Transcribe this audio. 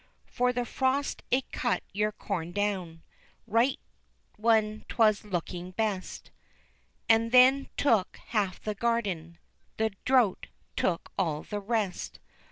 For the frost it cut your corn down, Right when 'twas looking best, And then took half the garden, The drouth took all the rest.